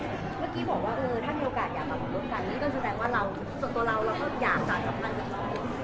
เมื่อกี้บอกว่าถ้ามีโอกาสอยากมาร่วมร่วมกันนี่ก็แสดงว่าส่วนตัวเราเราก็อยากการกับมัน